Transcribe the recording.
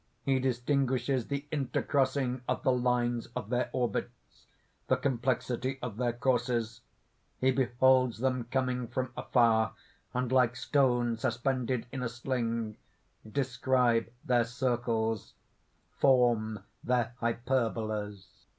He distinguishes the intercrossing of the lines of their orbits, the complexity of their courses. He beholds them coming from afar, and, like stones suspended in a sling, describe their circles, form their hyperbolas.